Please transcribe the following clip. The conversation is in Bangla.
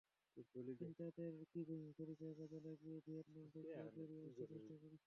তিনি তাদের সদিচ্ছাকে কাজে লাগিয়ে ভিয়েতনাম থেকে বেরিয়ে আসতে চেষ্টা করেছিলেন।